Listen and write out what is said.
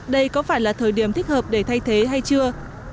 đây có phải là thời điểm thích hợp để thay thế hay chưa